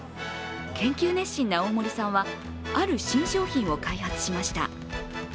研究熱心な大森さんはある新商品を開発しました。